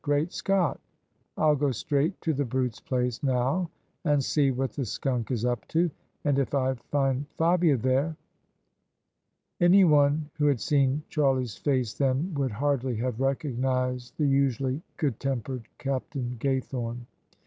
"Great Scott 1 I'll go straight to the brute's place now and see what the skunk is up to; and if I find Fabia there !" Anyone who had seen Char lie's face then would hardly have recognised the usually good tempered Captain Gaythorne.